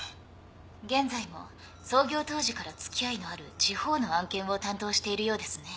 現在も創業当時から付き合いのある地方の案件を担当しているようですね。